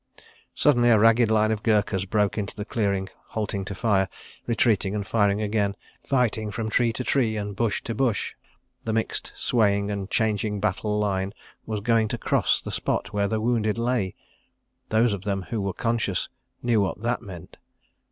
Suddenly a ragged line of Gurkhas broke into the clearing, halting to fire, retreating and firing again, fighting from tree to tree and bush to bush. ... The mixed, swaying and changing battle line was going to cross the spot where the wounded lay. ... Those of them who were conscious knew what that meant.